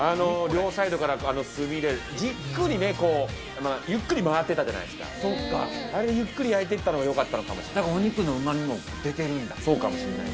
両サイドから炭でじっくりね、ゆっくり回ってたじゃないですか、あれゆっくり焼いていったのがよかったのかもしれない。